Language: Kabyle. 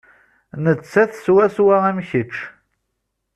Nettat swaswa am kečč.